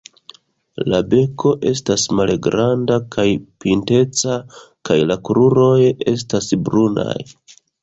La beko estas malgranda kaj pinteca kaj la kruroj estas brunaj.